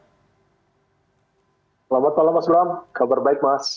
selamat malam mas bram kabar baik mas